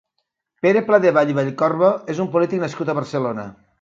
Pere Pladevall i Vallcorba és un polític nascut a Barcelona.